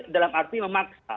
dalam arti memaksa